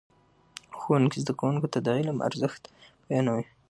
ښوونکي زده کوونکو ته د علم ارزښت بیانوي.